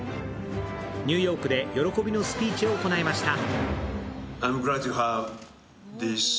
ニューヨークで喜びのスピーチを行いました。